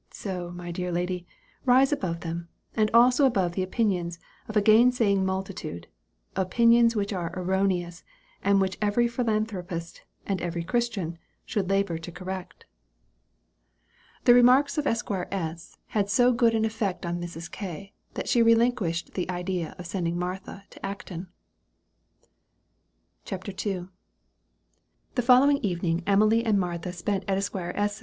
So, my dear lady, rise above them; and also above the opinions of a gainsaying multitude opinions which are erroneous, and which every philanthropist, and every Christian, should labor to correct." The remarks of Esq. S. had so good an effect on Mrs. K., that she relinquished the idea of sending Martha to Acton. CHAPTER II. The following evening Emily and Martha spent at Esq. S.'